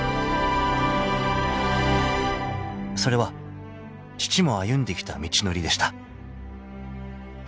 ［それは父も歩んできた道のりでした］